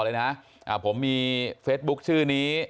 อย่าต้องแจ้งกรกตอเลยนะผมมีเฟซบุ๊กชื่อนี้